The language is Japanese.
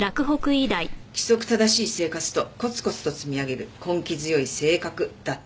規則正しい生活とコツコツと積み上げる根気強い性格だって。